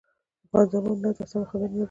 خان زمان: نه، دا سمه خبره نه ده.